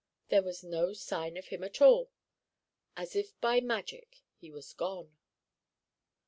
There was no sign of him at all. As if by magic, he was gone.